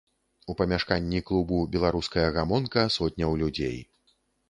У памяшканні клубу беларуская гамонка сотняў людзей.